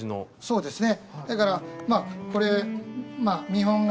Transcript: そうですね。